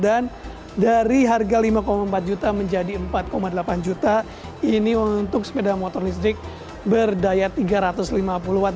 dan dari harga lima empat juta menjadi empat delapan juta ini untuk sepeda motor listrik berdaya tiga ratus lima puluh watt